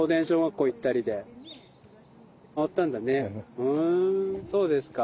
ふんそうですか。